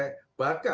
bahkan juga masyarakat